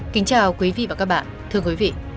kính chào quý vị và các bạn thưa quý vị